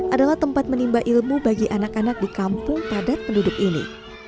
adalah tempat menimba ilmu bagi anak anak di kampung padat penduduk ini